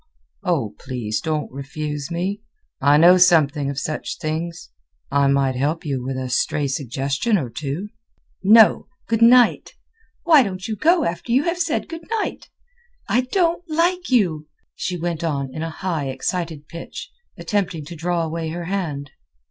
"Oh, please don't refuse me! I know something of such things. I might help you with a stray suggestion or two." "No. Good night. Why don't you go after you have said good night? I don't like you," she went on in a high, excited pitch, attempting to draw away her hand.